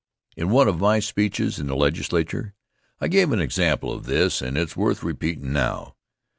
In one of my speeches in the Legislature, I gave an example of this, and it's worth repeatin' now.